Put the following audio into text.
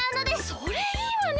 それいいわね！